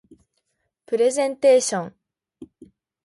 プレゼンテーション